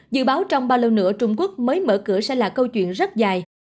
dự báo trong bao lâu nữa trung quốc mới mở cửa sẽ là câu chuyện rất dài